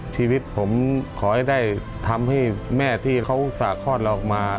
ชีวิตผมขอให้ได้ทำให้แม่ที่เขาอุตส่าหลอดเราออกมา